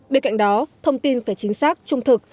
bên cạnh đó thông tin phải chính xác trung thực